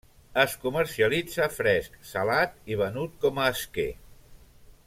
Es comercialitza fresc, salat i venut com a esquer.